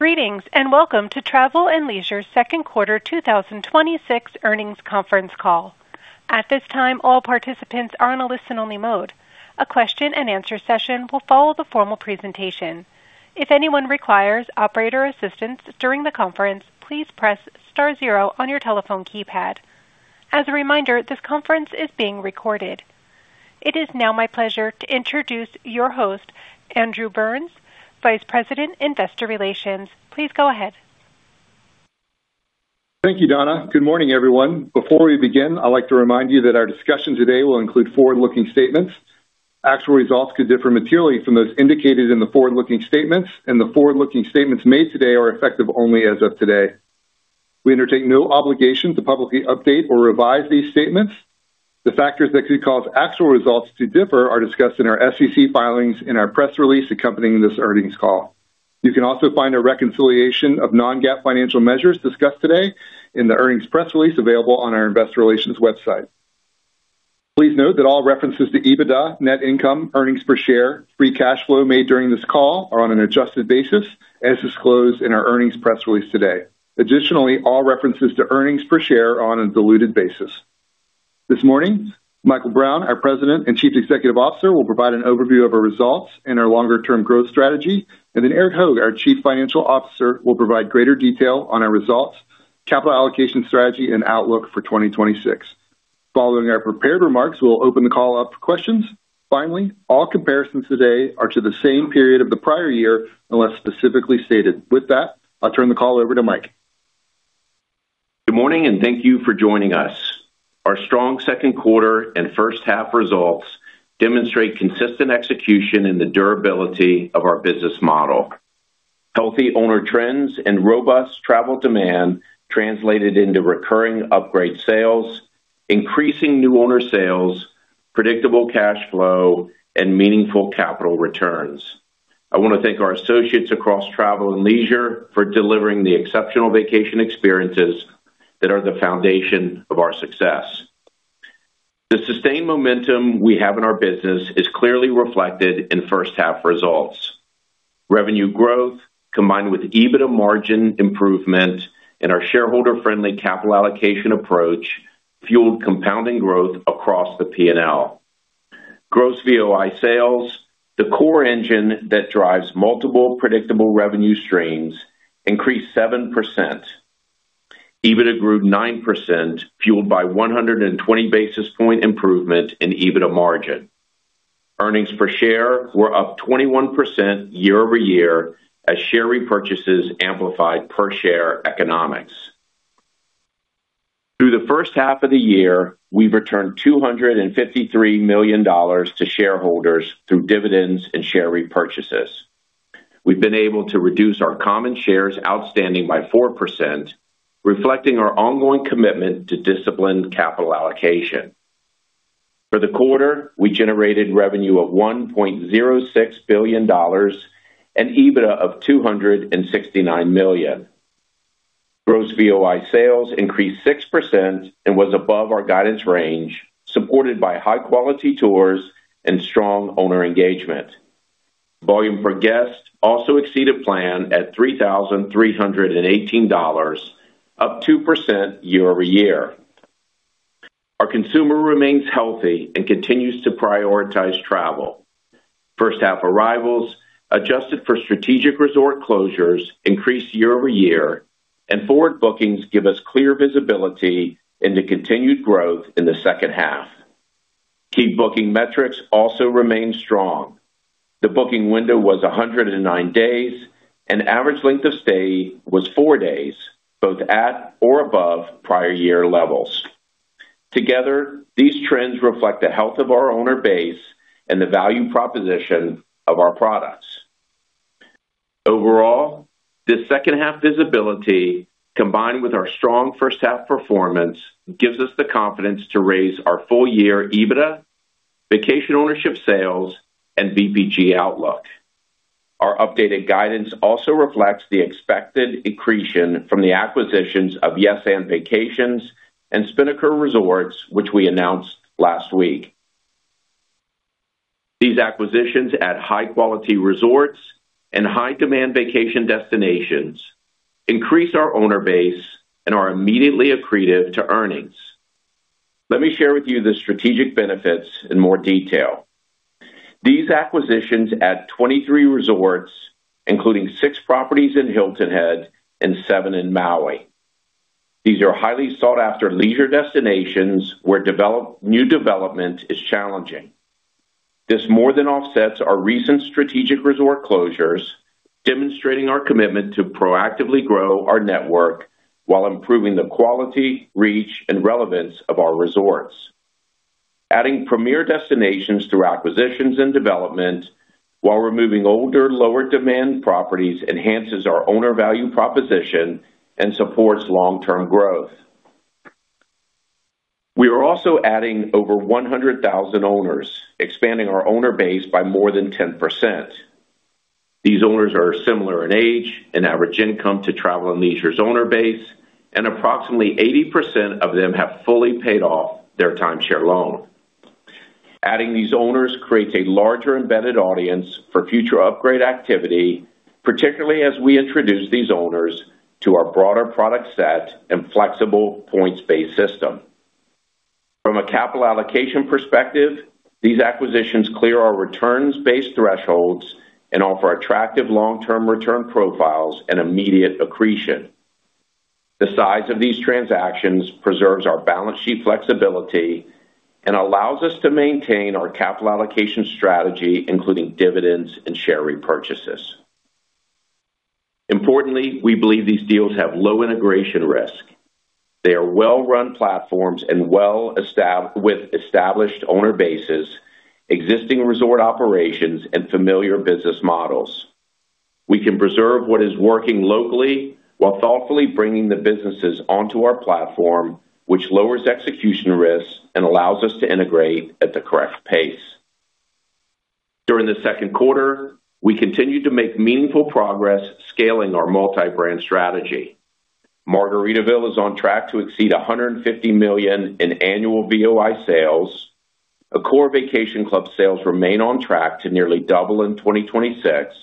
Greetings, welcome to Travel + Leisure's second quarter 2026 earnings conference call. At this time, all participants are on a listen-only mode. A question and answer session will follow the formal presentation. If anyone requires operator assistance during the conference, please press star zero on your telephone keypad. As a reminder, this conference is being recorded. It is now my pleasure to introduce your host, Andrew Burns, Vice President, Investor Relations. Please go ahead. Thank you, Donna. Good morning, everyone. Before we begin, I'd like to remind you that our discussion today will include forward-looking statements. Actual results could differ materially from those indicated in the forward-looking statements. The forward-looking statements made today are effective only as of today. We undertake no obligation to publicly update or revise these statements. The factors that could cause actual results to differ are discussed in our SEC filings and our press release accompanying this earnings call. You can also find a reconciliation of non-GAAP financial measures discussed today in the earnings press release available on our investor relations website. Please note that all references to EBITDA, net income, earnings per share, free cash flow made during this call are on an adjusted basis as disclosed in our earnings press release today. Additionally, all references to earnings per share are on a diluted basis. This morning, Michael Brown, our President and Chief Executive Officer, will provide an overview of our results and our longer-term growth strategy. Erik Hoag, our Chief Financial Officer, will provide greater detail on our results, capital allocation strategy, and outlook for 2026. Following our prepared remarks, we'll open the call up for questions. Finally, all comparisons today are to the same period of the prior year, unless specifically stated. With that, I'll turn the call over to Mike. Good morning, thank you for joining us. Our strong second quarter and first half results demonstrate consistent execution in the durability of our business model. Healthy owner trends and robust travel demand translated into recurring upgrade sales, increasing new owner sales, predictable cash flow, and meaningful capital returns. I want to thank our associates across Travel + Leisure for delivering the exceptional vacation experiences that are the foundation of our success. The sustained momentum we have in our business is clearly reflected in first half results. Revenue growth, combined with EBITDA margin improvement and our shareholder-friendly capital allocation approach fueled compounding growth across the P&L. Gross VOI sales, the core engine that drives multiple predictable revenue streams, increased 7%. EBITDA grew 9%, fueled by 120 basis point improvement in EBITDA margin. Earnings per share were up 21% year-over-year as share repurchases amplified per share economics. Through the first half of the year, we've returned $253 million to shareholders through dividends and share repurchases. We've been able to reduce our common shares outstanding by 4%, reflecting our ongoing commitment to disciplined capital allocation. For the quarter, we generated revenue of $1.06 billion, and EBITDA of $269 million. Gross VOI sales increased 6% and was above our guidance range, supported by high-quality tours and strong owner engagement. Volume per guest also exceeded plan at $3,318, up 2% year-over-year. Our consumer remains healthy and continues to prioritize travel. First half arrivals, adjusted for strategic resort closures, increased year-over-year, and forward bookings give us clear visibility into continued growth in the second half. Key booking metrics also remain strong. The booking window was 109 days, and average length of stay was four days, both at or above prior year levels. Together, these trends reflect the health of our owner base and the value proposition of our products. Overall, this second half visibility, combined with our strong first half performance, gives us the confidence to raise our full year EBITDA, Vacation Ownership sales, and VPG outlook. Our updated guidance also reflects the expected accretion from the acquisitions of Yes& Vacations and Spinnaker Resorts, which we announced last week. These acquisitions at high-quality resorts and high-demand vacation destinations increase our owner base and are immediately accretive to earnings. Let me share with you the strategic benefits in more detail. These acquisitions add 23 resorts, including six properties in Hilton Head and seven in Maui. These are highly sought-after leisure destinations where new development is challenging. This more than offsets our recent strategic resort closures, demonstrating our commitment to proactively grow our network while improving the quality, reach, and relevance of our resorts. Adding premier destinations through acquisitions and development while removing older, lower demand properties enhances our owner value proposition and supports long-term growth. We are also adding over 100,000 owners, expanding our owner base by more than 10%. These owners are similar in age and average income to Travel + Leisure's owner base, and approximately 80% of them have fully paid off their timeshare loan. Adding these owners creates a larger embedded audience for future upgrade activity, particularly as we introduce these owners to our broader product set and flexible points-based system. From a capital allocation perspective, these acquisitions clear our returns-based thresholds and offer attractive long-term return profiles and immediate accretion. The size of these transactions preserves our balance sheet flexibility and allows us to maintain our capital allocation strategy, including dividends and share repurchases. We believe these deals have low integration risk. They are well-run platforms with established owner bases, existing resort operations, and familiar business models. We can preserve what is working locally while thoughtfully bringing the businesses onto our platform, which lowers execution risks and allows us to integrate at the correct pace. During the second quarter, we continued to make meaningful progress scaling our multi-brand strategy. Margaritaville is on track to exceed $150 million in annual VOI sales. Accor Vacation Club sales remain on track to nearly double in 2026,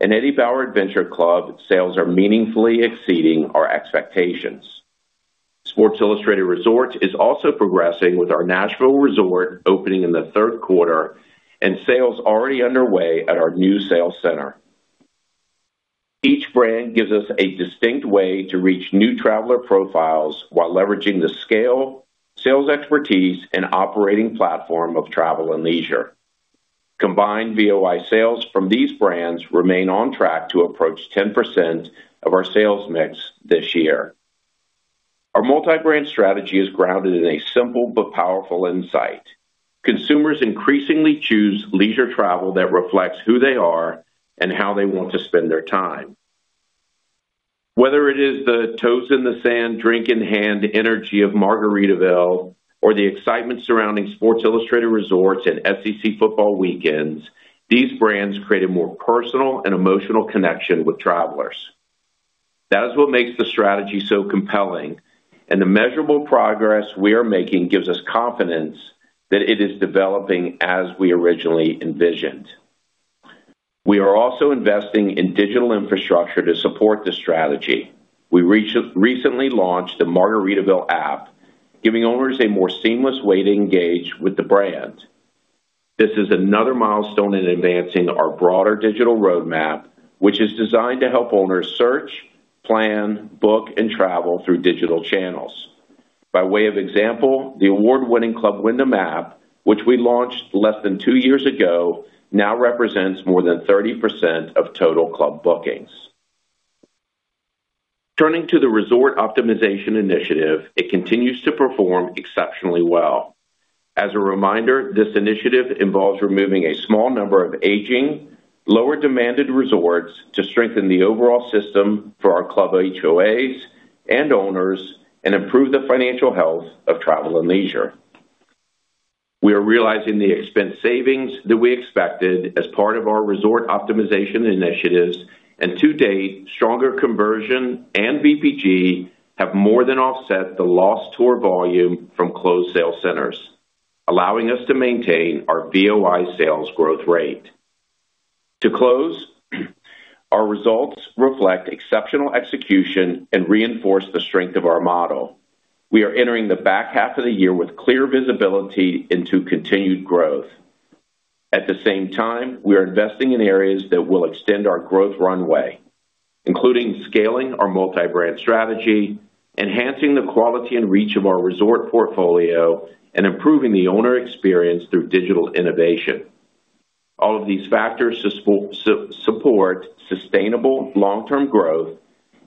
and Eddie Bauer Adventure Club sales are meaningfully exceeding our expectations. Sports Illustrated Resorts is also progressing with our Nashville resort opening in the third quarter and sales already underway at our new sales center. Each brand gives us a distinct way to reach new traveler profiles while leveraging the scale, sales expertise, and operating platform of Travel + Leisure. Combined VOI sales from these brands remain on track to approach 10% of our sales mix this year. Our multi-brand strategy is grounded in a simple but powerful insight. Consumers increasingly choose leisure travel that reflects who they are and how they want to spend their time. Whether it is the toes in the sand, drink in hand energy of Margaritaville or the excitement surrounding Sports Illustrated Resorts and SEC football weekends, these brands create a more personal and emotional connection with travelers. That is what makes the strategy so compelling, and the measurable progress we are making gives us confidence that it is developing as we originally envisioned. We are also investing in digital infrastructure to support this strategy. We recently launched the Margaritaville app, giving owners a more seamless way to engage with the brand. This is another milestone in advancing our broader digital roadmap, which is designed to help owners search, plan, book, and travel through digital channels. By way of example, the award-winning Club Wyndham app, which we launched less than two years ago, now represents more than 30% of total club bookings. Turning to the resort optimization initiative, it continues to perform exceptionally well. As a reminder, this initiative involves removing a small number of aging, lower demanded resorts to strengthen the overall system for our club HOAs and owners and improve the financial health of Travel + Leisure. We are realizing the expense savings that we expected as part of our resort optimization initiatives, and to date, stronger conversion and VPG have more than offset the lost tour volume from closed sales centers, allowing us to maintain our VOI sales growth rate. To close, our results reflect exceptional execution and reinforce the strength of our model. We are entering the back half of the year with clear visibility into continued growth. At the same time, we are investing in areas that will extend our growth runway, including scaling our multi-brand strategy, enhancing the quality and reach of our resort portfolio, and improving the owner experience through digital innovation. All of these factors support sustainable long-term growth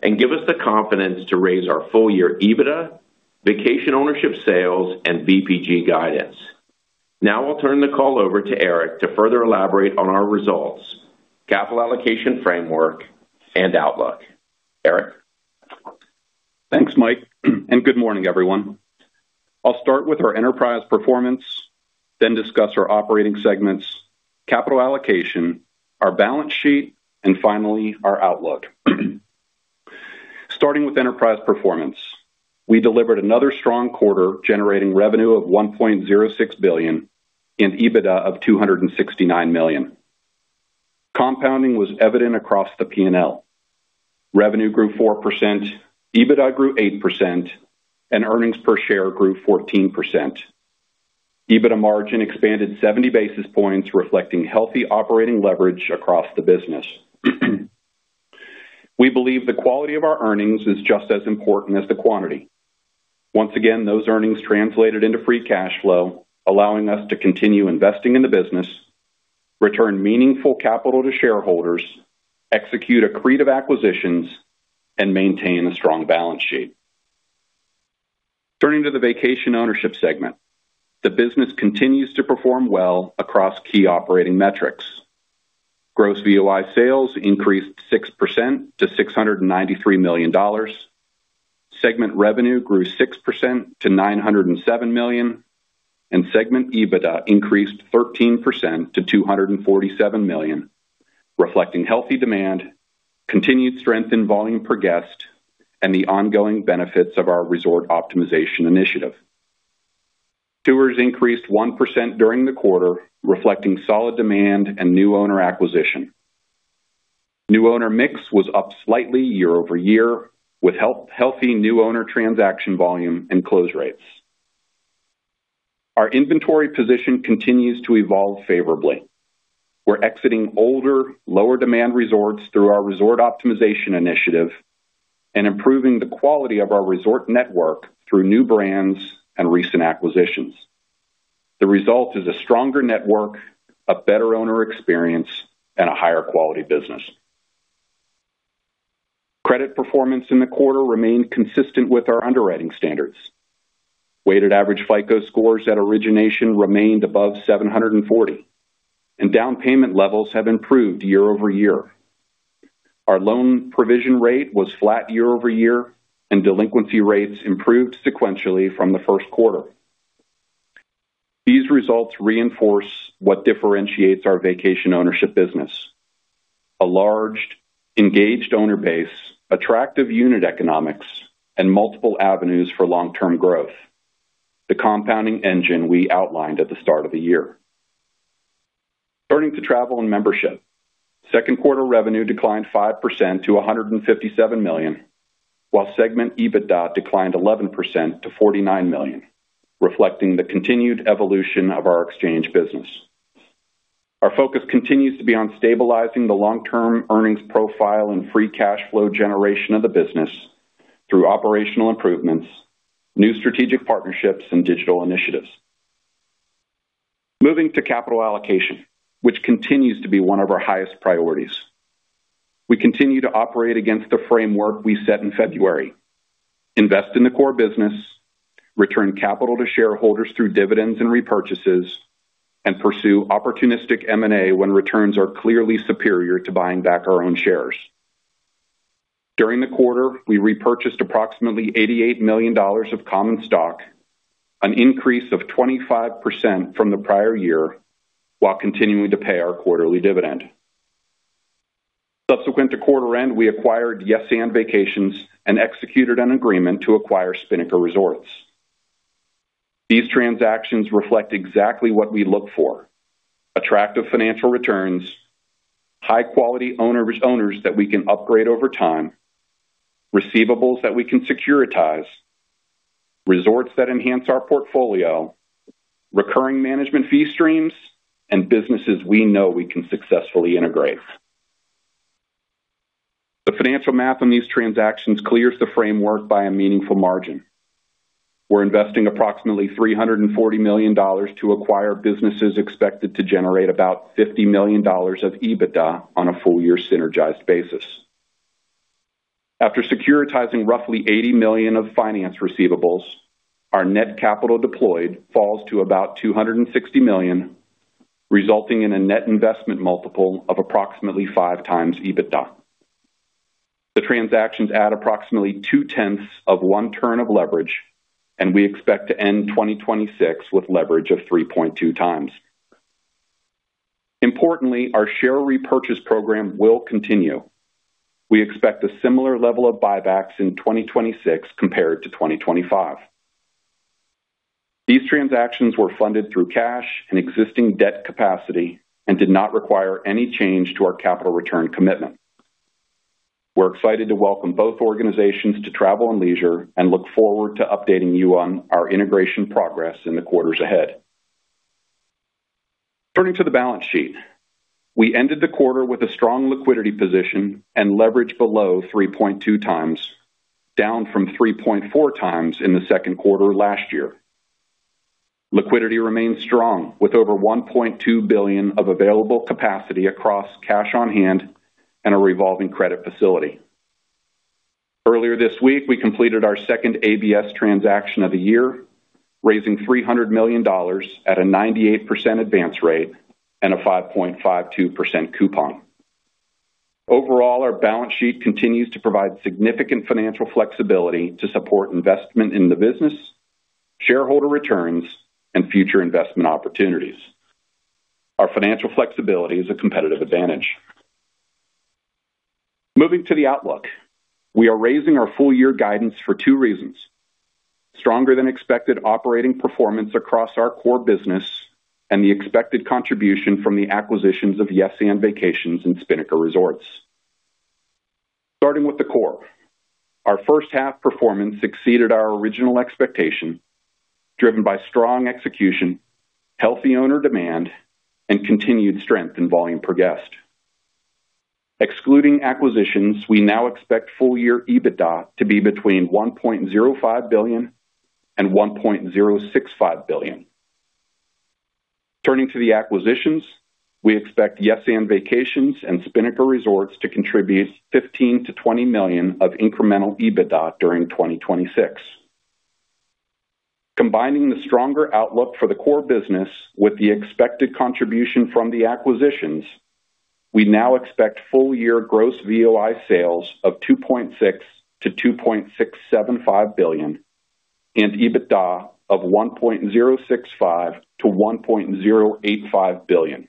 and give us the confidence to raise our full-year EBITDA, Vacation Ownership sales, and VPG guidance. I'll turn the call over to Erik to further elaborate on our results, capital allocation framework, and outlook. Erik? Thanks, Mike. Good morning, everyone. I'll start with our enterprise performance, then discuss our operating segments, capital allocation, our balance sheet, and finally, our outlook. Starting with enterprise performance, we delivered another strong quarter, generating revenue of $1.06 billion in EBITDA of $269 million. Compounding was evident across the P&L. Revenue grew 4%, EBITDA grew 8%, and earnings per share grew 14%. EBITDA margin expanded 70 basis points, reflecting healthy operating leverage across the business. We believe the quality of our earnings is just as important as the quantity. Once again, those earnings translated into free cash flow, allowing us to continue investing in the business, return meaningful capital to shareholders, execute accretive acquisitions, and maintain a strong balance sheet. Turning to the Vacation Ownership segment. The business continues to perform well across key operating metrics. Gross VOI sales increased 6% to $693 million. Segment revenue grew 6% to $907 million. Segment EBITDA increased 13% to $247 million, reflecting healthy demand, continued strength in volume per guest, and the ongoing benefits of our resort optimization initiative. Tours increased 1% during the quarter, reflecting solid demand and new owner acquisition. New owner mix was up slightly year-over-year with healthy new owner transaction volume and close rates. Our inventory position continues to evolve favorably. We're exiting older, lower demand resorts through our resort optimization initiative and improving the quality of our resort network through new brands and recent acquisitions. The result is a stronger network, a better owner experience, and a higher quality business. Credit performance in the quarter remained consistent with our underwriting standards. Weighted average FICO scores at origination remained above 740, and down payment levels have improved year-over-year. Our loan provision rate was flat year-over-year. Delinquency rates improved sequentially from the first quarter. These results reinforce what differentiates our Vacation Ownership business: a large, engaged owner base, attractive unit economics, and multiple avenues for long-term growth. The compounding engine we outlined at the start of the year. Turning to Travel and Membership. Second quarter revenue declined 5% to $157 million, while segment EBITDA declined 11% to $49 million, reflecting the continued evolution of our exchange business. Our focus continues to be on stabilizing the long-term earnings profile and free cash flow generation of the business through operational improvements, new strategic partnerships, and digital initiatives. Moving to capital allocation, which continues to be one of our highest priorities. We continue to operate against the framework we set in February: invest in the core business, return capital to shareholders through dividends and repurchases, and pursue opportunistic M&A when returns are clearly superior to buying back our own shares. During the quarter, we repurchased approximately $88 million of common stock, an increase of 25% from the prior year, while continuing to pay our quarterly dividend. Subsequent to quarter end, we acquired Yes& Vacations and executed an agreement to acquire Spinnaker Resorts. These transactions reflect exactly what we look for: attractive financial returns, high quality owners that we can upgrade over time, receivables that we can securitize, resorts that enhance our portfolio, recurring management fee streams, and businesses we know we can successfully integrate. The financial math on these transactions clears the framework by a meaningful margin. We're investing approximately $340 million to acquire businesses expected to generate about $50 million of EBITDA on a full year synergized basis. After securitizing roughly $80 million of finance receivables, our net capital deployed falls to about $260 million, resulting in a net investment multiple of approximately 5x EBITDA. The transactions add approximately 2/10 of one turn of leverage, and we expect to end 2026 with leverage of 3.2x. Importantly, our share repurchase program will continue. We expect a similar level of buybacks in 2026 compared to 2025. These transactions were funded through cash and existing debt capacity and did not require any change to our capital return commitment. We're excited to welcome both organizations to Travel + Leisure and look forward to updating you on our integration progress in the quarters ahead. Turning to the balance sheet. We ended the quarter with a strong liquidity position and leverage below 3.2x, down from 3.4x in the second quarter last year. Liquidity remains strong with over $1.2 billion of available capacity across cash on hand and a revolving credit facility. Earlier this week, we completed our second ABS transaction of the year, raising $300 million at a 98% advance rate and a 5.52% coupon. Overall, our balance sheet continues to provide significant financial flexibility to support investment in the business, shareholder returns, and future investment opportunities. Our financial flexibility is a competitive advantage. Moving to the outlook. We are raising our full year guidance for two reasons: stronger than expected operating performance across our core business and the expected contribution from the acquisitions of Yes& Vacations and Spinnaker Resorts. Starting with the core. Our first half performance exceeded our original expectation, driven by strong execution, healthy owner demand, and continued strength in volume per guest. Excluding acquisitions, we now expect full year EBITDA to be between $1.05 billion and $1.065 billion. Turning to the acquisitions, we expect Yes& Vacations and Spinnaker Resorts to contribute $15 million-$20 million of incremental EBITDA during 2026. Combining the stronger outlook for the core business with the expected contribution from the acquisitions, we now expect full year gross VOI sales of $2.6 billion-$2.675 billion. EBITDA of $1.065 billion-$1.085 billion.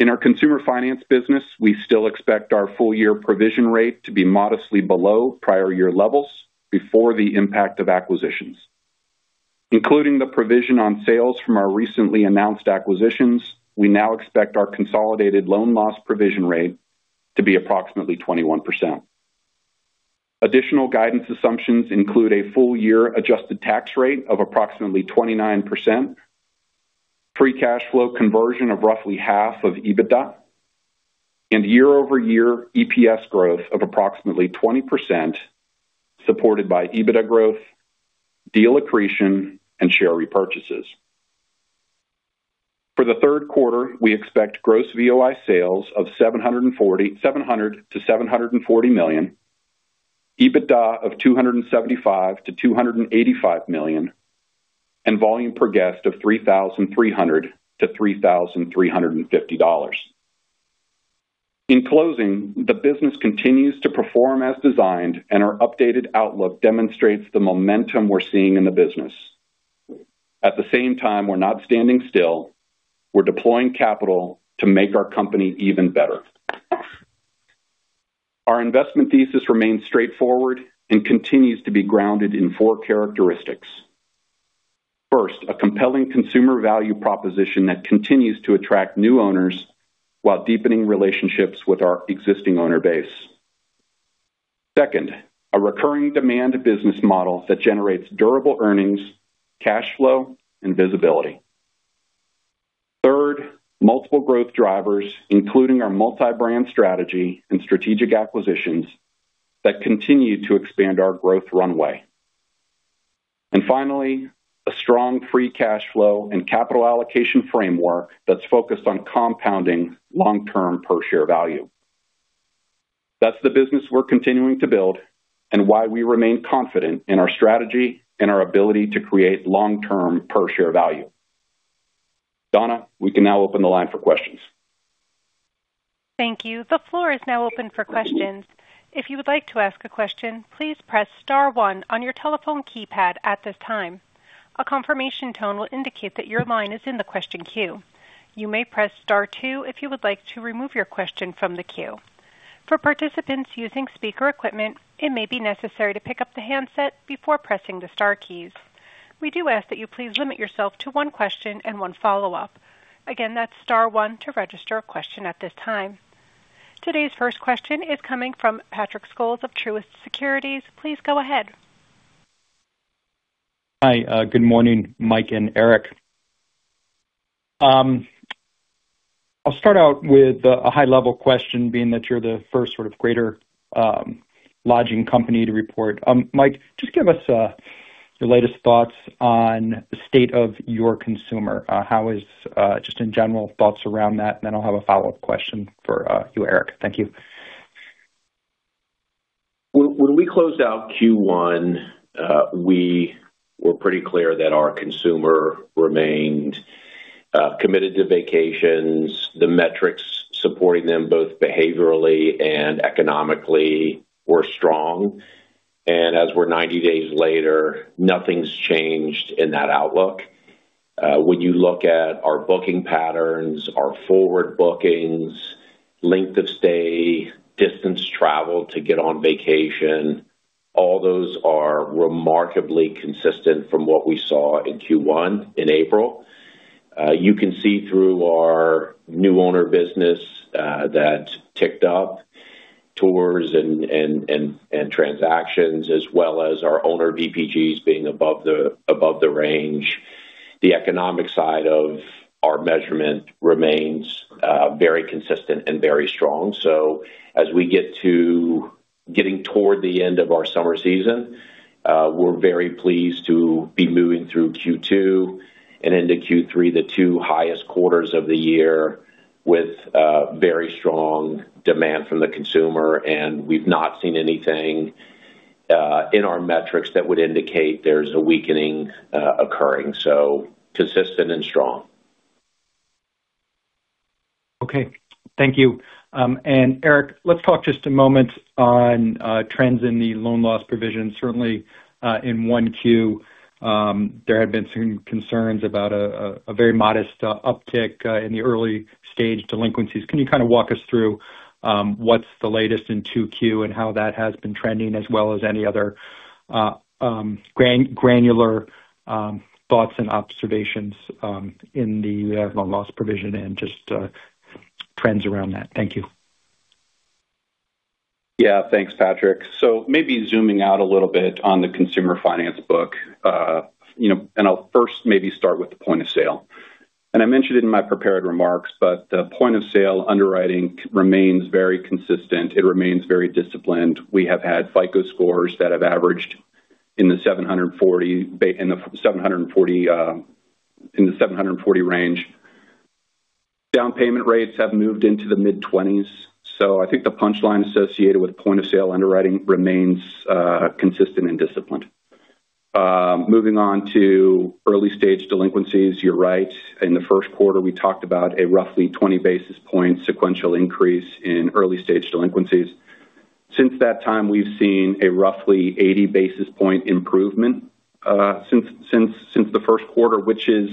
In our consumer finance business, we still expect our full year provision rate to be modestly below prior year levels before the impact of acquisitions. Including the provision on sales from our recently announced acquisitions, we now expect our consolidated loan loss provision rate to be approximately 21%. Additional guidance assumptions include a full year adjusted tax rate of approximately 29%, free cash flow conversion of roughly half of EBITDA, and year-over-year EPS growth of approximately 20%, supported by EBITDA growth, deal accretion, and share repurchases. For the third quarter, we expect gross VOI sales of $700 million-$740 million, EBITDA of $275 million-$285 million, and volume per guest of $3,300-$3,350. In closing, the business continues to perform as designed. Our updated outlook demonstrates the momentum we're seeing in the business. At the same time, we're not standing still. We're deploying capital to make our company even better. Our investment thesis remains straightforward and continues to be grounded in four characteristics. First, a compelling consumer value proposition that continues to attract new owners while deepening relationships with our existing owner base. Second, a recurring demand business model that generates durable earnings, cash flow, and visibility. Third, multiple growth drivers, including our multi-brand strategy and strategic acquisitions that continue to expand our growth runway. Finally, a strong free cash flow and capital allocation framework that's focused on compounding long-term per share value. That's the business we're continuing to build and why we remain confident in our strategy and our ability to create long-term per share value. Donna, we can now open the line for questions. Thank you. The floor is now open for questions. If you would like to ask a question, please press star one on your telephone keypad at this time. A confirmation tone will indicate that your line is in the question queue. You may press star two if you would like to remove your question from the queue. For participants using speaker equipment, it may be necessary to pick up the handset before pressing the star keys. We do ask that you please limit yourself to one question and one follow-up. Again, that's star one to register a question at this time. Today's first question is coming from Patrick Scholes of Truist Securities. Please go ahead. Hi. Good morning, Mike and Erik. I'll start out with a high level question, being that you're the first sort of greater lodging company to report. Mike, just give us your latest thoughts on the state of your consumer. Just in general thoughts around that, and then I'll have a follow-up question for you, Erik. Thank you. When we closed out Q1, we were pretty clear that our consumer remained committed to vacations. The metrics supporting them, both behaviorally and economically, were strong. As we're 90 days later, nothing's changed in that outlook. When you look at our booking patterns, our forward bookings, length of stay, distance traveled to get on vacation, all those are remarkably consistent from what we saw in Q1 in April. You can see through our new owner business that ticked up tours and transactions, as well as our owner VPGs being above the range. The economic side of our measurement remains very consistent and very strong. As we get toward the end of our summer season, we're very pleased to be moving through Q2 and into Q3, the two highest quarters of the year, with very strong demand from the consumer, and we've not seen anything in our metrics that would indicate there's a weakening occurring. Consistent and strong. Okay. Thank you. Erik, let's talk just a moment on trends in the loan loss provision. Certainly in 1Q, there had been some concerns about a very modest uptick in the early-stage delinquencies. Can you kind of walk us through what's the latest in 2Q and how that has been trending, as well as any other granular thoughts and observations in the loan loss provision and just trends around that? Thank you. Yeah. Thanks, Patrick. Maybe zooming out a little bit on the consumer finance book, and I'll first maybe start with the point of sale. I mentioned it in my prepared remarks, but the point-of-sale underwriting remains very consistent. It remains very disciplined. We have had FICO scores that have averaged in the 740 range. Down payment rates have moved into the mid-20s, so I think the punchline associated with point-of-sale underwriting remains consistent and disciplined. Moving on to early-stage delinquencies. You're right. In the first quarter, we talked about a roughly 20 basis point sequential increase in early-stage delinquencies. Since that time, we've seen a roughly 80 basis point improvement since the first quarter, which is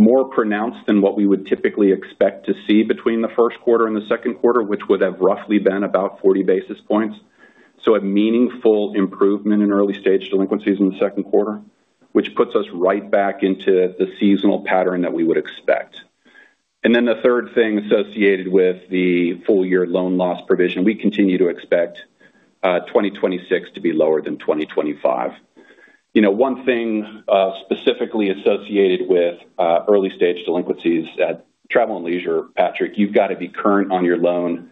more pronounced than what we would typically expect to see between the first quarter and the second quarter, which would have roughly been about 40 basis points. A meaningful improvement in early-stage delinquencies in the second quarter, which puts us right back into the seasonal pattern that we would expect. The third thing associated with the full-year loan loss provision, we continue to expect 2026 to be lower than 2025. One thing specifically associated with early-stage delinquencies at Travel + Leisure, Patrick, you've got to be current on your loan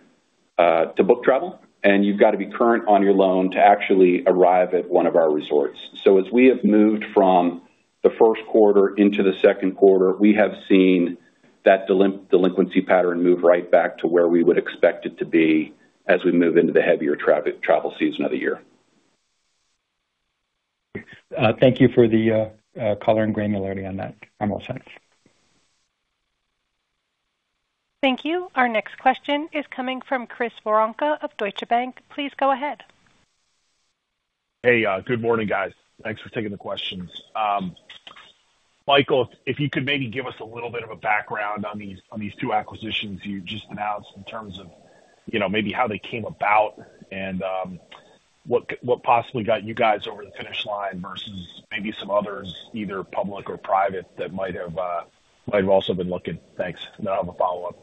to book travel, and you've got to be current on your loan to actually arrive at one of our resorts. As we have moved from the first quarter into the second quarter, we have seen that delinquency pattern move right back to where we would expect it to be as we move into the heavier travel season of the year. Thank you for the color and granularity on that. I'm all set. Thank you. Our next question is coming from Chris Woronka of Deutsche Bank. Please go ahead. Hey, good morning, guys. Thanks for taking the questions. Michael, if you could maybe give us a little bit of a background on these two acquisitions you just announced in terms of maybe how they came about and what possibly got you guys over the finish line versus maybe some others, either public or private, that might have also been looking. Thanks. Then I have a follow-up.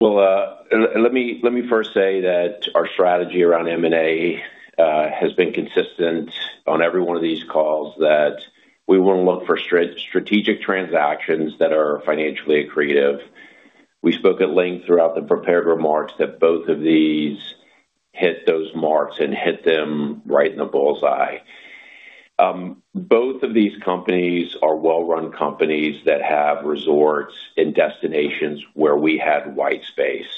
Well, let me first say that our strategy around M&A has been consistent on every one of these calls that we want to look for strategic transactions that are financially accretive. We spoke at length throughout the prepared remarks that both of these hit those marks and hit them right in the bullseye. Both of these companies are well-run companies that have resorts in destinations where we had white space.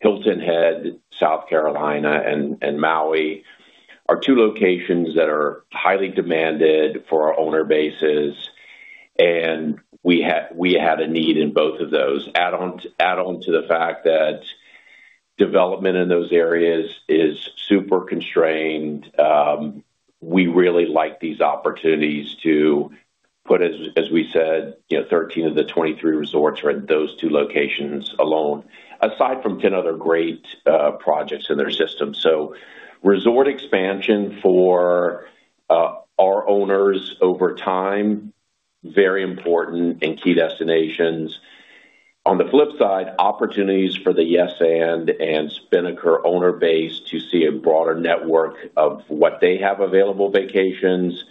Hilton Head, South Carolina, and Maui are two locations that are highly demanded for our owner bases, and we had a need in both of those. Add on to the fact that development in those areas is super constrained. We really like these opportunities to put, as we said, 13 of the 23 resorts are in those two locations alone, aside from 10 other great projects in their system. Resort expansion for our owners over time, very important in key destinations. On the flip side, opportunities for the Yes& and Spinnaker owner base to see a broader network of what they have available vacations.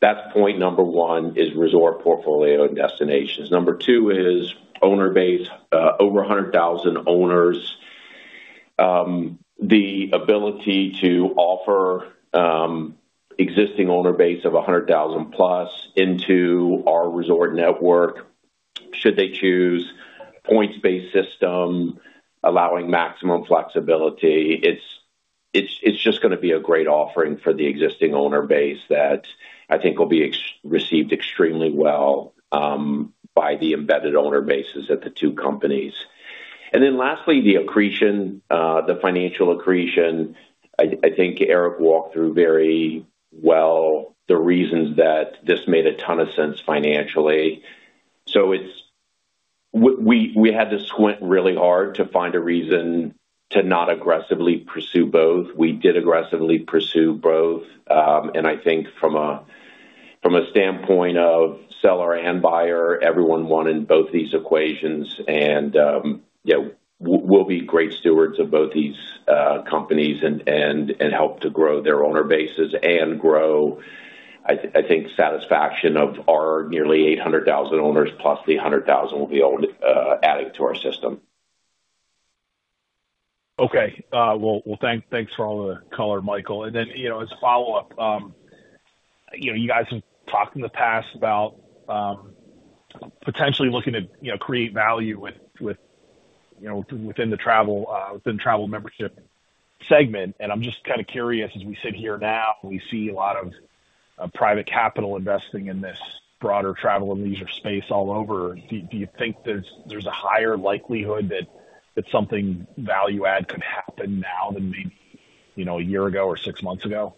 That's point number one is resort portfolio destinations. Number two is owner base. Over 100,000 owners. The ability to offer existing owner base of 100,000+ into our resort network, should they choose points-based system, allowing maximum flexibility. It's just going to be a great offering for the existing owner base that I think will be received extremely well by the embedded owner bases at the two companies. Lastly, the financial accretion. I think Erik walked through very well the reasons that this made a ton of sense financially. We had to squint really hard to find a reason to not aggressively pursue both. We did aggressively pursue both, and I think from a standpoint of seller and buyer, everyone won in both these equations, and we'll be great stewards of both these companies and help to grow their owner bases and grow, I think, satisfaction of our nearly 800,000 owners plus the 100,000 will be added to our system. Okay. Well, thanks for all the color, Michael. As a follow-up, you guys have talked in the past about potentially looking to create value within the Travel and Membership segment, and I'm just kind of curious, as we sit here now and we see a lot of private capital investing in this broader travel and leisure space all over, do you think there's a higher likelihood that something value add could happen now than maybe a year ago or six months ago?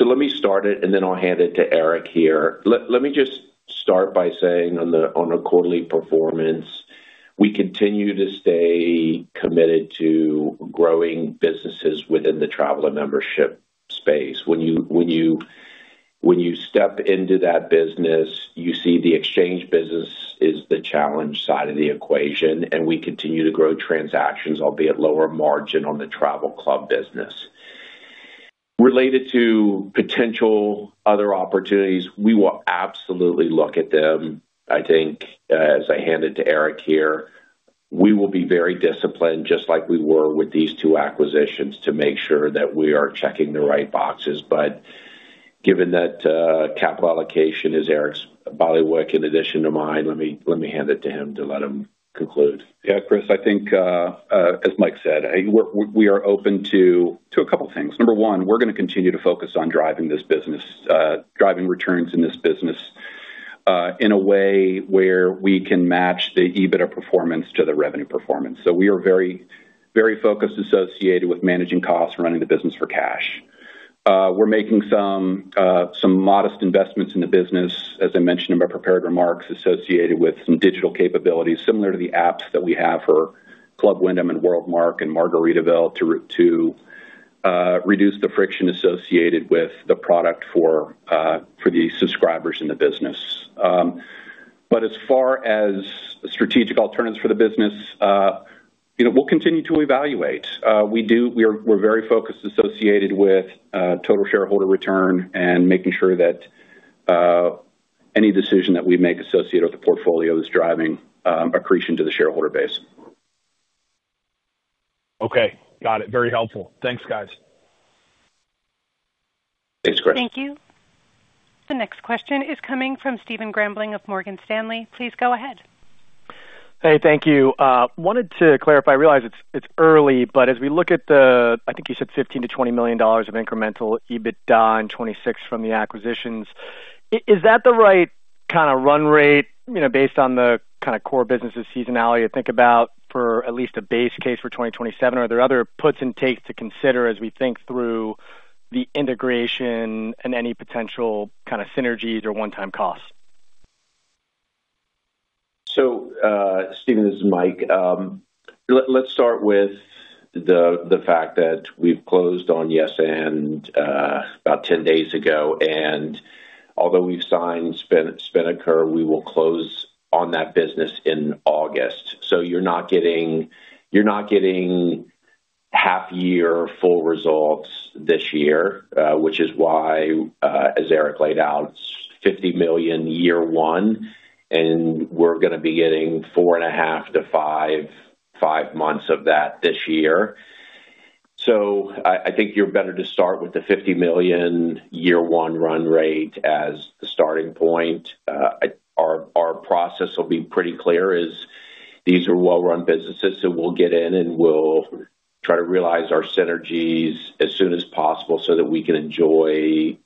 Let me start it, and then I'll hand it to Erik here. Let me just start by saying on the quarterly performance, we continue to stay committed to growing businesses within the travel and membership space. When you step into that business, you see the exchange business is the challenge side of the equation, and we continue to grow transactions, albeit lower margin on the travel club business. Related to potential other opportunities, we will absolutely look at them. I think as I hand it to Erik here, we will be very disciplined, just like we were with these two acquisitions, to make sure that we are checking the right boxes. Given that capital allocation is Erik's body work, in addition to mine, let me hand it to him to let him conclude. Yeah, Chris, I think, as Mike said, we are open to a two things. Number one, we're going to continue to focus on driving returns in this business, in a way where we can match the EBITDA performance to the revenue performance. We are very focused associated with managing costs, running the business for cash. We're making some modest investments in the business, as I mentioned in my prepared remarks, associated with some digital capabilities, similar to the apps that we have for Club Wyndham and WorldMark and Margaritaville to reduce the friction associated with the product for the subscribers in the business. As far as strategic alternatives for the business, we'll continue to evaluate. We're very focused associated with total shareholder return and making sure that any decision that we make associated with the portfolio is driving accretion to the shareholder base. Okay, got it. Very helpful. Thanks, guys. Thanks, Chris. Thank you. The next question is coming from Stephen Grambling of Morgan Stanley. Please go ahead. Hey, thank you. Wanted to clarify, I realize it's early, as we look at the, I think you said $15 million-$20 million of incremental EBITDA in 2026 from the acquisitions, is that the right kind of run rate, based on the core business' seasonality to think about for at least a base case for 2027? Are there other puts and takes to consider as we think through the integration and any potential synergies or one-time costs? Stephen, this is Mike. Let's start with the fact that we've closed on Yes& about 10 days ago, and although we've signed Spinnaker, we will close on that business in August. You're not getting half year full results this year, which is why, as Erik laid out, it's $50 million year one, and we're going to be getting 4.5 to five months of that this year. I think you're better to start with the $50 million year one run rate as the starting point. Our process will be pretty clear as these are well-run businesses, we'll get in and we'll try to realize our synergies as soon as possible so that we can enjoy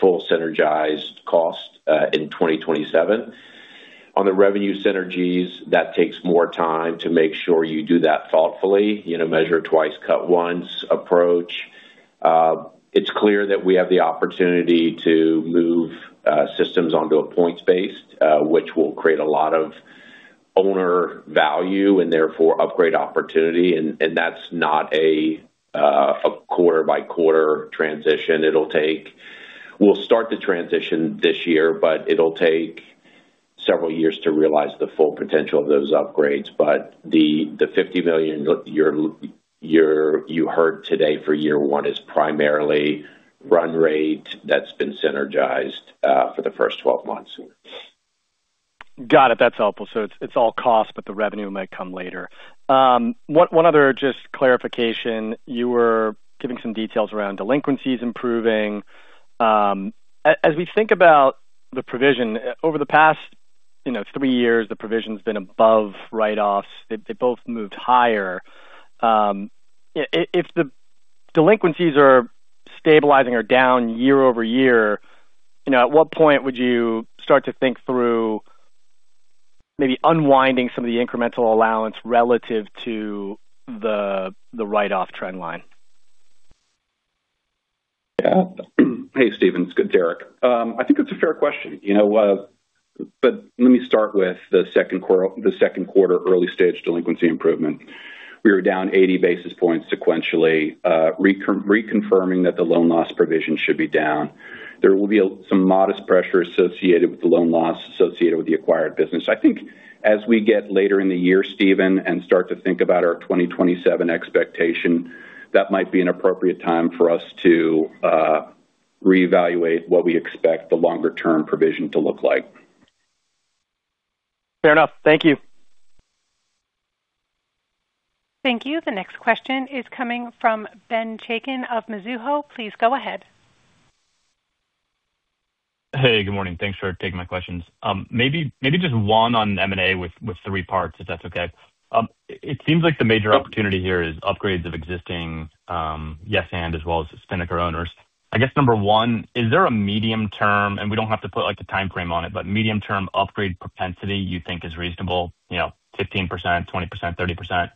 full synergized cost in 2027. On the revenue synergies, that takes more time to make sure you do that thoughtfully, measure twice, cut once approach. It's clear that we have the opportunity to move systems onto a points-based, which will create a lot of owner value and therefore upgrade opportunity, that's not a quarter-by-quarter transition. We'll start the transition this year, it'll take several years to realize the full potential of those upgrades. The $50 million you heard today for year one is primarily run rate that's been synergized for the first 12 months. Got it. That's helpful. It's all cost, but the revenue might come later. One other just clarification, you were giving some details around delinquencies improving. As we think about the provision, over the past three years, the provision's been above write-offs. They both moved higher. If the delinquencies are stabilizing or down year-over-year, at what point would you start to think through maybe unwinding some of the incremental allowance relative to the write-off trend line? Hey, Stephen. It's Erik. I think it's a fair question. Let me start with the second quarter early-stage delinquency improvement. We were down 80 basis points sequentially, reconfirming that the loan loss provision should be down. There will be some modest pressure associated with the loan loss associated with the acquired business. I think as we get later in the year, Stephen, and start to think about our 2027 expectation, that might be an appropriate time for us to reevaluate what we expect the longer-term provision to look like. Fair enough. Thank you. Thank you. The next question is coming from Ben Chaiken of Mizuho. Please go ahead. Hey, good morning. Thanks for taking my questions. Maybe just one on M&A with three parts, if that's okay. It seems like the major opportunity here is upgrades of existing Yes& as well as Spinnaker owners. I guess number one, is there a medium-term, and we don't have to put, like, a time frame on it, but medium-term upgrade propensity you think is reasonable, 15%, 20%, 30%?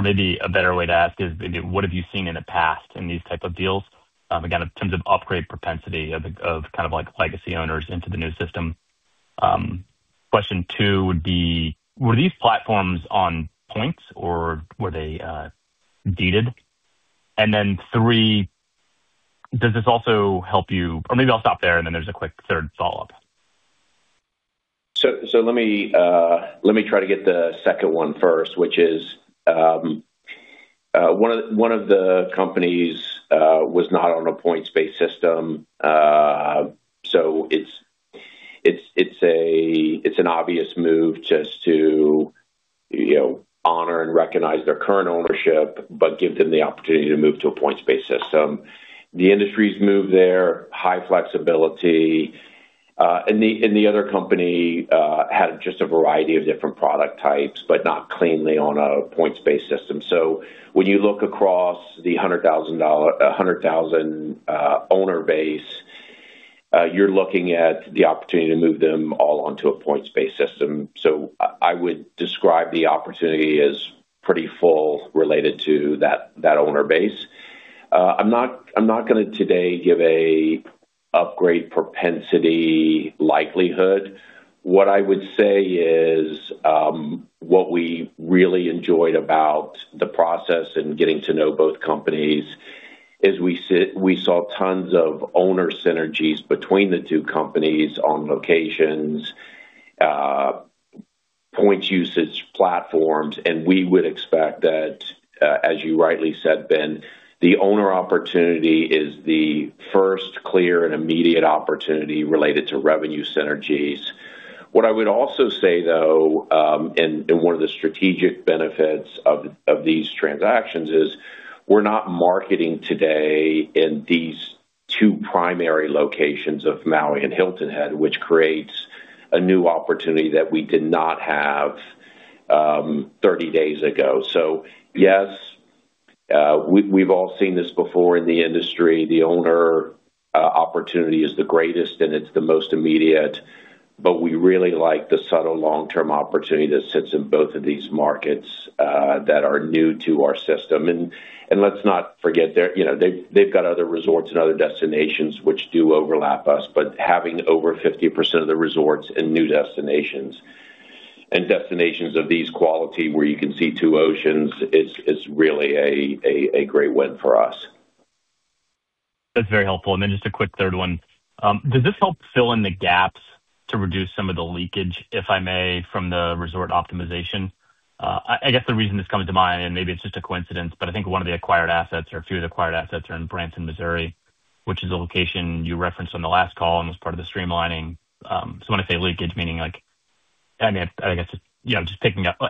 Maybe a better way to ask is, what have you seen in the past in these type of deals? Again, in terms of upgrade propensity of legacy owners into the new system. Question two would be, were these platforms on points or were they deeded? Then three, does this also help you? Maybe I'll stop there. Then there's a quick third follow-up. Let me try to get the second one first, which is, one of the companies was not on a points-based system. It's an obvious move just to honor and recognize their current ownership, but give them the opportunity to move to a points-based system. The industry's moved there, high flexibility. The other company had just a variety of different product types, but not cleanly on a points-based system. When you look across the 100,000 owner base, you're looking at the opportunity to move them all onto a points-based system. I would describe the opportunity as pretty full related to that owner base. I'm not going to today give a upgrade propensity likelihood. What I would say is, what we really enjoyed about the process and getting to know both companies is we saw tons of owner synergies between the two companies on locations, points usage platforms, and we would expect that, as you rightly said, Ben, the owner opportunity is the first clear and immediate opportunity related to revenue synergies. What I would also say, though, and one of the strategic benefits of these transactions is we're not marketing today in these two primary locations of Maui and Hilton Head, which creates a new opportunity that we did not have 30 days ago. Yes, we've all seen this before in the industry. The owner opportunity is the greatest and it's the most immediate, but we really like the subtle long-term opportunity that sits in both of these markets that are new to our system. Let's not forget they've got other resorts and other destinations which do overlap us, but having over 50% of the resorts in new destinations and destinations of these quality where you can see two oceans, it's really a great win for us. That's very helpful. Just a quick third one. Does this help fill in the gaps to reduce some of the leakage, if I may, from the resort optimization? I guess the reason it's coming to mind, and maybe it's just a coincidence, but I think one of the acquired assets or a few of the acquired assets are in Branson, Missouri, which is a location you referenced on the last call and was part of the streamlining. When I say leakage, meaning just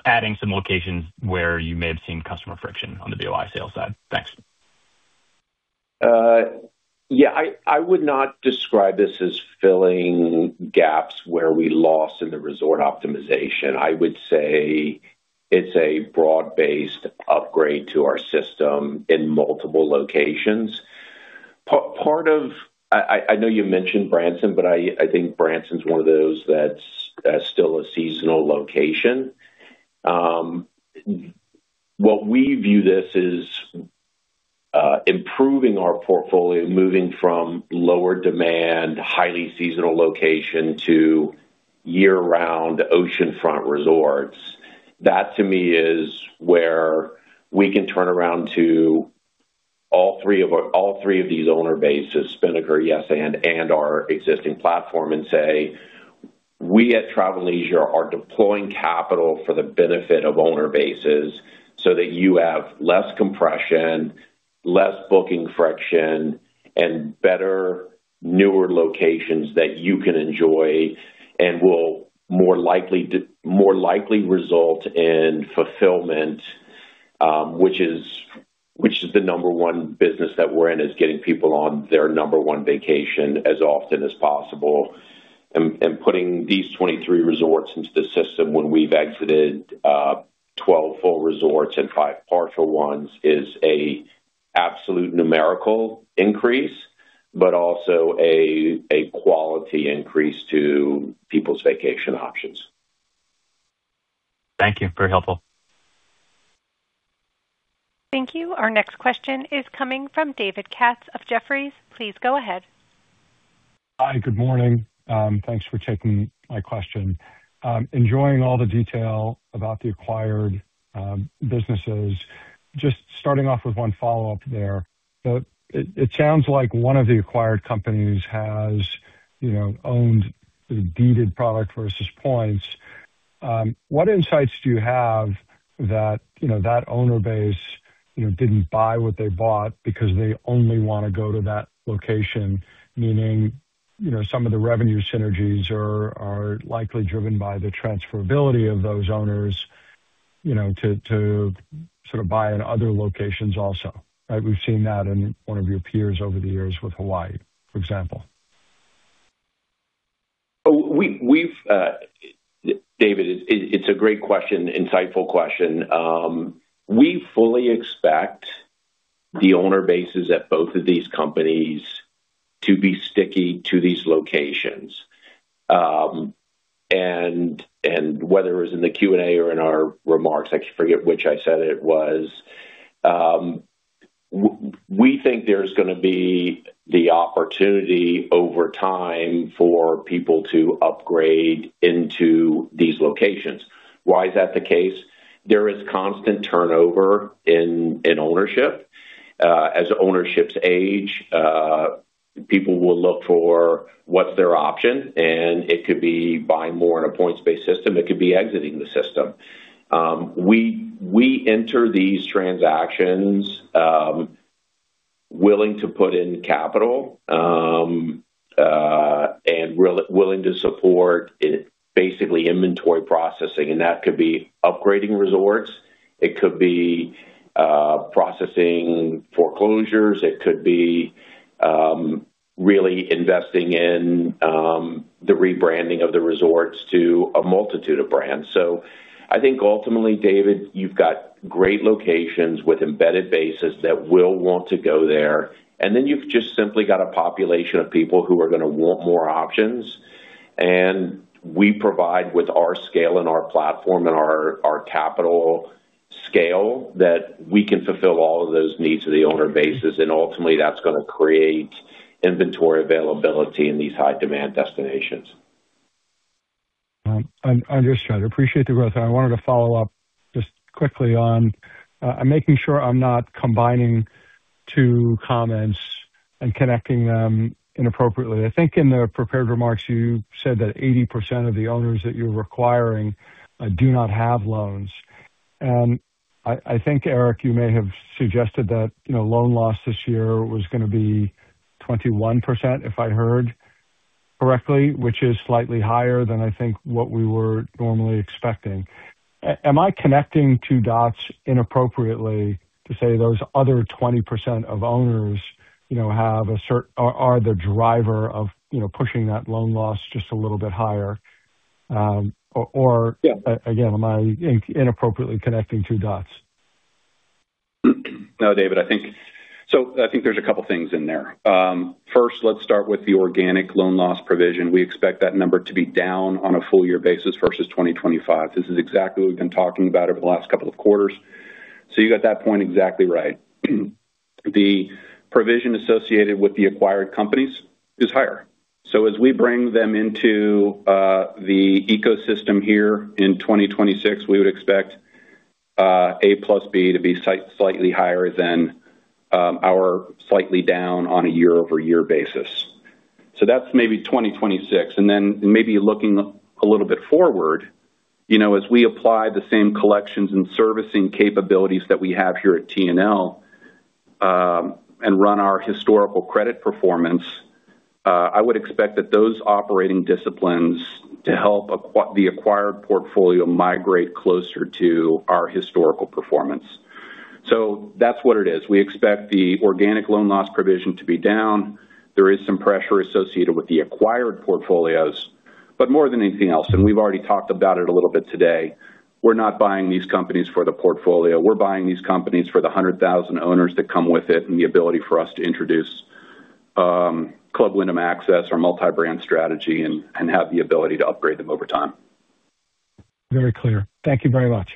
adding some locations where you may have seen customer friction on the VOI sales side. Thanks. I would not describe this as filling gaps where we lost in the resort optimization. I would say it's a broad-based upgrade to our system in multiple locations. I know you mentioned Branson, but I think Branson's one of those that's still a seasonal location. What we view this is improving our portfolio, moving from lower demand, highly seasonal location to year-round oceanfront resorts. That to me is where we can turn around to all three of these owner bases, Spinnaker, Yes& and our existing platform and say, "We at Travel + Leisure are deploying capital for the benefit of owner bases so that you have less compression, less booking friction, and better, newer locations that you can enjoy and will more likely result in fulfillment," which is the number one business that we're in, is getting people on their number one vacation as often as possible. Putting these 23 resorts into the system when we've exited 12 full resorts and five partial ones is a absolute numerical increase, but also a quality increase to people's vacation options. Thank you. Very helpful. Thank you. Our next question is coming from David Katz of Jefferies. Please go ahead. Hi. Good morning. Thanks for taking my question. Enjoying all the detail about the acquired businesses. Just starting off with one follow-up there. It sounds like one of the acquired companies has owned the deeded product versus points. What insights do you have that owner base didn't buy what they bought because they only want to go to that location, meaning some of the revenue synergies are likely driven by the transferability of those owners to sort of buy in other locations also, right? We've seen that in one of your peers over the years with Hawaii, for example. David, it's a great question, insightful question. We fully expect the owner bases at both of these companies to be sticky to these locations. Whether it was in the Q&A or in our remarks, I forget which I said it was, we think there's going to be the opportunity over time for people to upgrade into these locations. Why is that the case? There is constant turnover in ownership. As ownerships age, people will look for what's their option, and it could be buying more in a points-based system. It could be exiting the system. We enter these transactions willing to put in capital and willing to support basically inventory processing, and that could be upgrading resorts, it could be processing foreclosures, it could be really investing in the rebranding of the resorts to a multitude of brands. I think ultimately, David, you've got great locations with embedded bases that will want to go there, and then you've just simply got a population of people who are going to want more options. We provide with our scale and our platform and our capital scale that we can fulfill all of those needs of the owner bases, and ultimately that's going to create inventory availability in these high-demand destinations. Understood. Appreciate the growth. I wanted to follow up just quickly on making sure I am not combining two comments and connecting them inappropriately. I think in the prepared remarks, you said that 80% of the owners that you are acquiring do not have loans. I think, Erik, you may have suggested that loan loss this year was going to be 21%, if I heard correctly, which is slightly higher than I think what we were normally expecting. Am I connecting two dots inappropriately to say those other 20% of owners are the driver of pushing that loan loss just a little bit higher? Yeah. Am I inappropriately connecting two dots? No, David. I think there is a couple things in there. First, let's start with the organic loan loss provision. We expect that number to be down on a full-year basis versus 2025. This is exactly what we have been talking about over the last couple of quarters. You got that point exactly right. The provision associated with the acquired companies is higher. As we bring them into the ecosystem here in 2026, we would expect A plus B to be slightly higher than our slightly down on a year-over-year basis. That is maybe 2026. Maybe looking a little bit forward, as we apply the same collections and servicing capabilities that we have here at TNL and run our historical credit performance, I would expect that those operating disciplines to help the acquired portfolio migrate closer to our historical performance. That is what it is. We expect the organic loan loss provision to be down. There is some pressure associated with the acquired portfolios. More than anything else, and we have already talked about it a little bit today, we are not buying these companies for the portfolio. We are buying these companies for the 100,000 owners that come with it and the ability for us to introduce Club Wyndham access, our multi-brand strategy, and have the ability to upgrade them over time. Very clear. Thank you very much.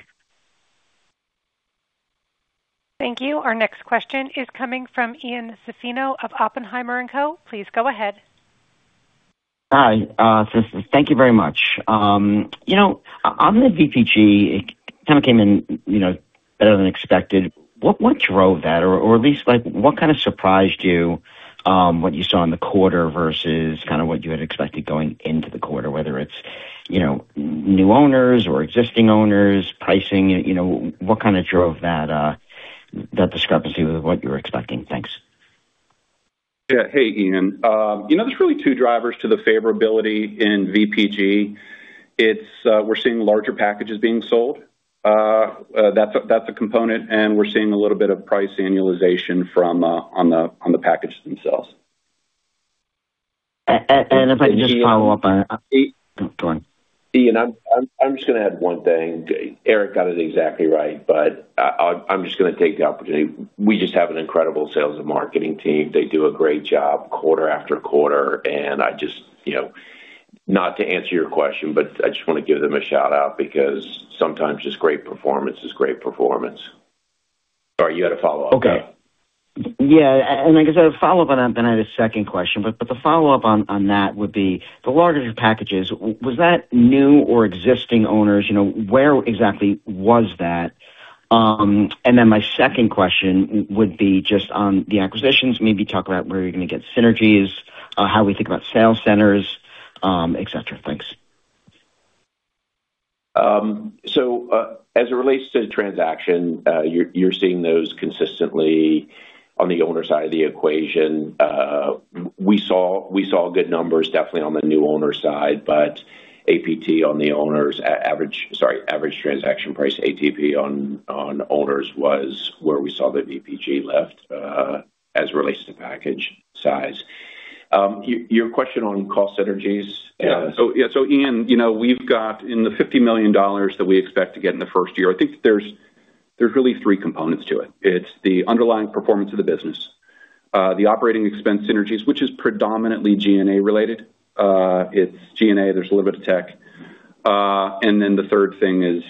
Thank you. Our next question is coming from Ian Zaffino of Oppenheimer & Co. Please go ahead. Hi. Thank you very much. On the VPG, it kind of came in better than expected. What drove that, or at least what kind of surprised you what you saw in the quarter versus what you had expected going into the quarter, whether it's new owners or existing owners pricing? What kind of drove that discrepancy with what you were expecting? Thanks. Yeah. Hey, Ian. There's really two drivers to the favorability in VPG. It's we're seeing larger packages being sold. That's a component, and we're seeing a little bit of price annualization on the packages themselves. If I could just follow up on that. Go on. Ian, I'm just going to add one thing. Erik got it exactly right, I'm just going to take the opportunity. We just have an incredible sales and marketing team. They do a great job quarter after quarter, Not to answer your question, I just want to give them a shout-out because sometimes just great performance is great performance. Sorry, you had a follow-up. Okay. Yeah. I guess I have a follow-up on that, then I have a second question. The follow-up on that would be the larger packages, was that new or existing owners? Where exactly was that? Then my second question would be just on the acquisitions, maybe talk about where you're going to get synergies, how we think about sales centers, et cetera. Thanks. As it relates to the transaction, you're seeing those consistently on the owner side of the equation. We saw good numbers definitely on the new owner side, but ATP on the owners-- Sorry, average transaction price, ATP, on owners was where we saw the VPG lift as it relates to package size. Your question on cost synergies- Yeah. Ian, we've got in the $50 million that we expect to get in the first year, I think there's really three components to it. It's the underlying performance of the business, the operating expense synergies, which is predominantly G&A related. It's G&A, there's a little bit of tech. The third thing is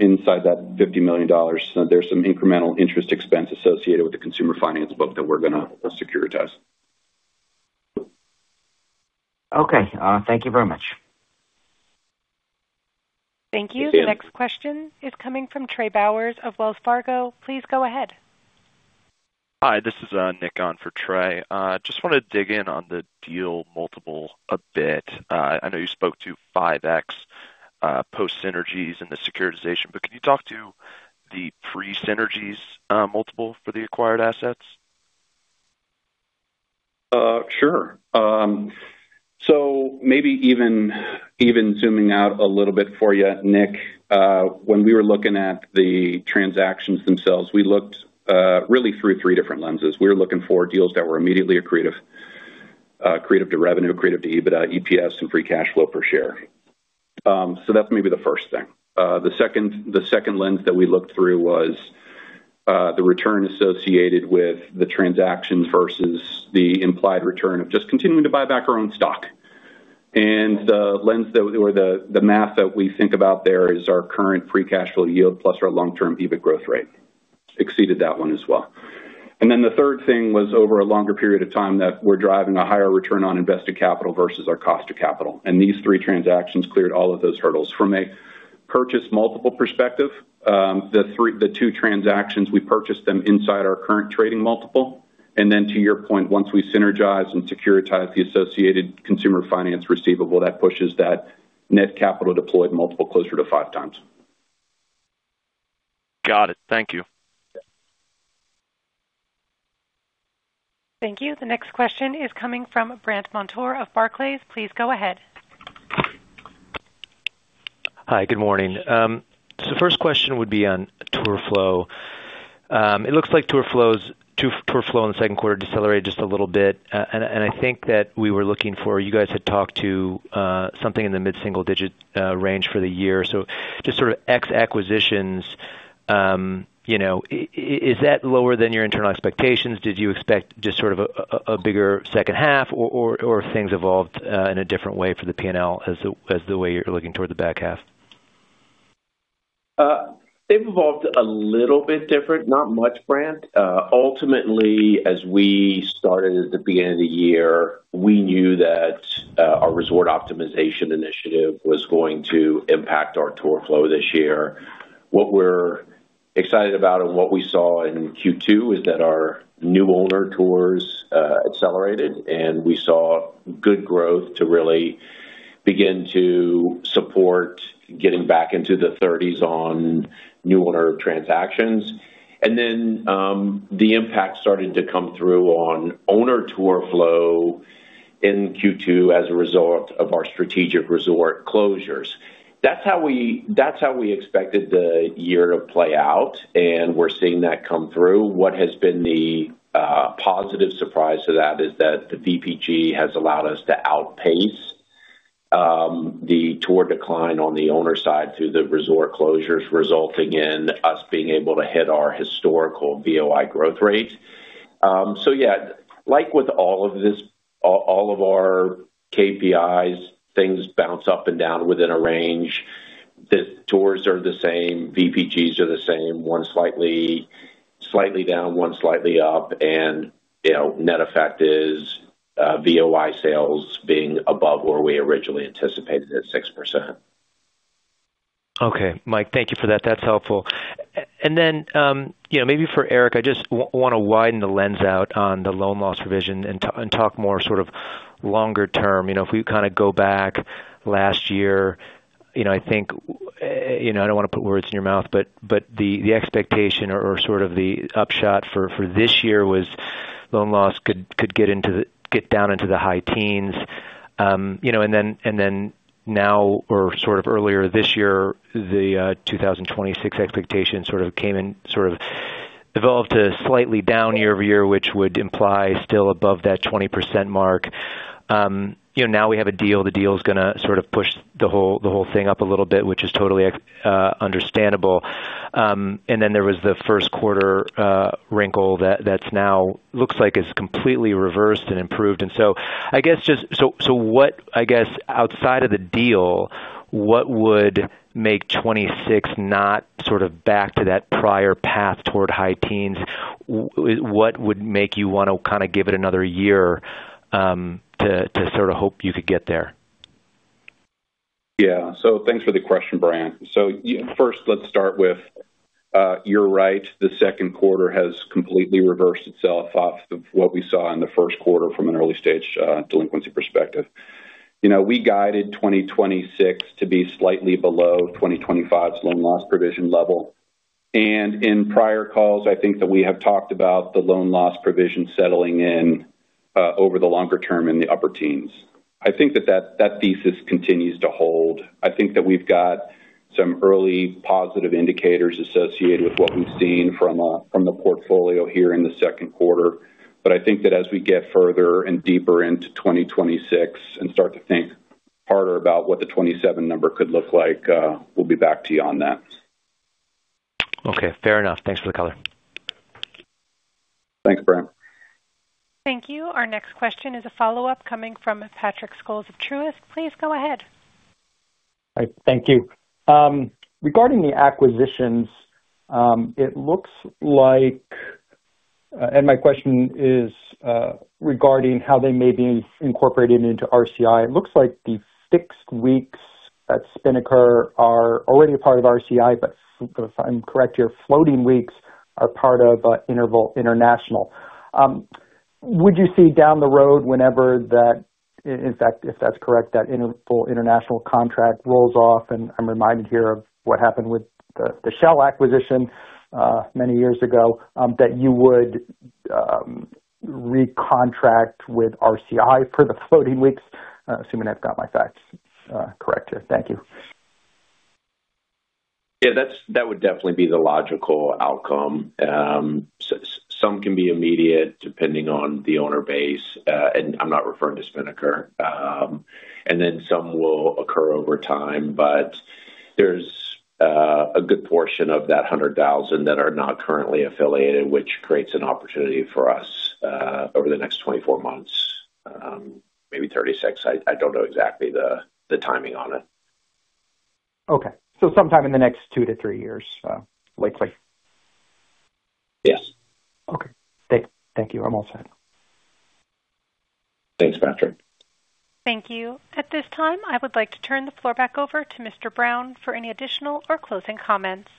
inside that $50 million, there's some incremental interest expense associated with the consumer finance book that we're going to securitize. Okay. Thank you very much. Thank you. Thank you. The next question is coming from Trey Bowers of Wells Fargo. Please go ahead. Hi, this is Nick on for Trey. Want to dig in on the deal multiple a bit. I know you spoke to 5x post synergies and the securitization, can you talk to the pre-synergies multiple for the acquired assets? Sure. Maybe even zooming out a little bit for you, Nick, when we were looking at the transactions themselves, we looked really through three different lenses. We were looking for deals that were immediately accretive to revenue, accretive to EBITDA, EPS, and free cash flow per share. That's maybe the first thing. The second lens that we looked through was the return associated with the transactions versus the implied return of just continuing to buy back our own stock. The math that we think about there is our current free cash flow yield plus our long-term EBIT growth rate, exceeded that one as well. The third thing was over a longer period of time that we're driving a higher return on invested capital versus our cost of capital. These three transactions cleared all of those hurdles. From a purchase multiple perspective, the two transactions, we purchased them inside our current trading multiple. Then to your point, once we synergize and securitize the associated consumer finance receivable, that pushes that net capital deployed multiple closer to 5x. Got it. Thank you. Thank you. The next question is coming from Brandt Montour of Barclays. Please go ahead. Hi. Good morning. The first question would be on tour flow. It looks like tour flow in the second quarter decelerated just a little bit, and I think that we were looking for, you guys had talked to something in the mid-single digit range for the year. Just sort of ex acquisitions, is that lower than your internal expectations? Did you expect just sort of a bigger second half, or have things evolved in a different way for the P&L as the way you're looking toward the back half? They've evolved a little bit different, not much, Brandt. Ultimately, as we started at the beginning of the year, we knew that our resort optimization initiative was going to impact our tour flow this year. What we're excited about and what we saw in Q2 is that our new owner tours accelerated, and we saw good growth to really begin to support getting back into the 30s on new owner transactions. Then the impact started to come through on owner tour flow in Q2 as a result of our strategic resort closures. That's how we expected the year to play out, and we're seeing that come through. What has been the positive surprise to that is that the VPG has allowed us to outpace the tour decline on the owner side through the resort closures, resulting in us being able to hit our historical VOI growth rate. Yeah, like with all of our KPIs, things bounce up and down within a range. The tours are the same, VPGs are the same. One slightly down, one slightly up, and net effect is VOI sales being above where we originally anticipated at 6%. Okay. Mike, thank you for that. That's helpful. Maybe for Erik, I just want to widen the lens out on the loan loss provision and talk more sort of longer term. If we go back last year, I don't want to put words in your mouth, but the expectation or sort of the upshot for this year was loan loss could get down into the high teens. Now or sort of earlier this year, the 2026 expectation sort of developed a slightly down year-over-year, which would imply still above that 20% mark. We have a deal. The deal is going to sort of push the whole thing up a little bit, which is totally understandable. There was the first quarter wrinkle that now looks like it's completely reversed and improved. I guess outside of the deal, what would make 2026 not sort of back to that prior path toward high teens? What would make you want to kind of give it another year to sort of hope you could get there? Yeah. Thanks for the question, Brandt. First, let's start with, you're right, the second quarter has completely reversed itself off of what we saw in the first quarter from an early stage delinquency perspective. We guided 2026 to be slightly below 2025's loan loss provision level. In prior calls, I think that we have talked about the loan loss provision settling in over the longer term in the upper teens. I think that thesis continues to hold. I think that we've got some early positive indicators associated with what we've seen from the portfolio here in the second quarter. I think that as we get further and deeper into 2026 and start to think harder about what the 2027 number could look like, we'll be back to you on that. Okay, fair enough. Thanks for the color. Thanks, Brandt. Thank you. Our next question is a follow-up coming from Patrick Scholes of Truist. Please go ahead. Hi. Thank you. Regarding the acquisitions, and my question is regarding how they may be incorporated into RCI. It looks like the fixed weeks at Spinnaker are already a part of RCI, but if I'm correct here, floating weeks are part of Interval International. Would you see down the road whenever that, in fact, if that's correct, that international contract rolls off, and I'm reminded here of what happened with the Shell acquisition many years ago, that you would recontract with RCI for the floating weeks, assuming I've got my facts correct here. Thank you. Yeah, that would definitely be the logical outcome. Some can be immediate depending on the owner base, and I'm not referring to Spinnaker. Some will occur over time, but there's a good portion of that 100,000 that are not currently affiliated, which creates an opportunity for us over the next 24 months, maybe 36. I don't know exactly the timing on it. Okay. Sometime in the next two to three years, likely. Yes. Okay. Thank you. I'm all set. Thanks, Patrick. Thank you. At this time, I would like to turn the floor back over to Mr. Brown for any additional or closing comments.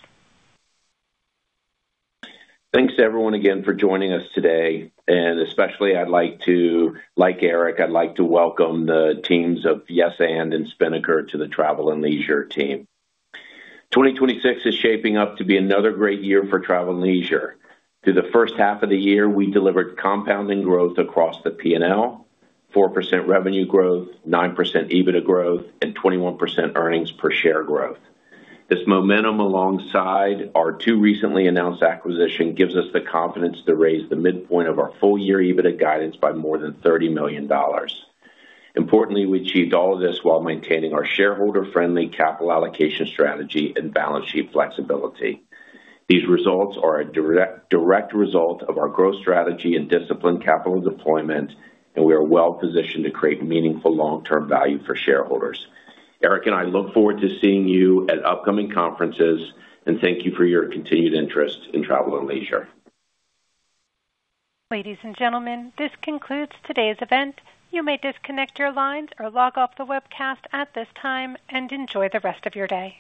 Thanks everyone again for joining us today, and especially I'd like to, like Erik, I'd like to welcome the teams of Yes& and Spinnaker to the Travel + Leisure team. 2026 is shaping up to be another great year for Travel + Leisure. Through the first half of the year, we delivered compounding growth across the P&L, 4% revenue growth, 9% EBITDA growth, and 21% earnings per share growth. This momentum alongside our two recently announced acquisition gives us the confidence to raise the midpoint of our full-year EBITDA guidance by more than $30 million. Importantly, we achieved all of this while maintaining our shareholder-friendly capital allocation strategy and balance sheet flexibility. These results are a direct result of our growth strategy and disciplined capital deployment, and we are well-positioned to create meaningful long-term value for shareholders. Erik and I look forward to seeing you at upcoming conferences, and thank you for your continued interest in Travel + Leisure. Ladies and gentlemen, this concludes today's event. You may disconnect your lines or log off the webcast at this time, and enjoy the rest of your day.